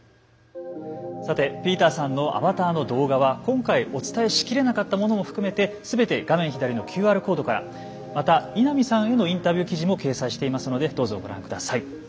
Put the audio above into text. さてピーターさんのアバターの動画は今回お伝えし切れなかったものも含めて全て画面左のＱＲコードからまた稲見さんへのインタビュー記事も掲載していますのでどうぞご覧ください。